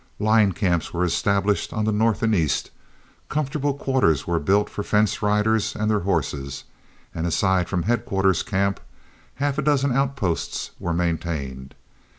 Line camps were established on the north and east, comfortable quarters were built for fence riders and their horses, and aside from headquarters camp, half a dozen outposts were maintained.